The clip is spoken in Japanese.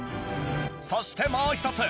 そしてもう１つ。